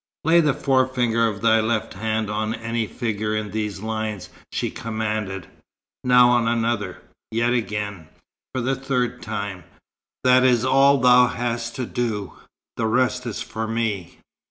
"Lay the forefinger of thy left hand on any figure in these lines," she commanded. "Now on another yet again, for the third time. That is all thou hast to do. The rest is for me."